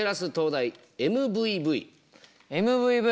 ＭＶＶ。